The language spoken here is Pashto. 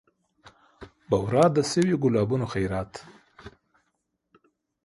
بورا د سویو ګلابونو خیرات